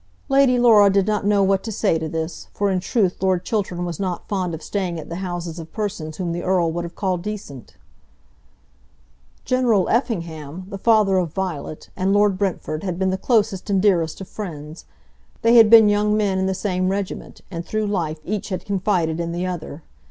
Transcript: Lady Laura did not know what to say to this, for in truth Lord Chiltern was not fond of staying at the houses of persons whom the Earl would have called decent. General Effingham, the father of Violet, and Lord Brentford had been the closest and dearest of friends. They had been young men in the same regiment, and through life each had confided in the other.